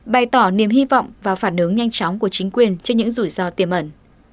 bày tỏ niềm hy vọng và phản ứng nhanh chóng của chính quyền trên những rủi ro tiềm ẩn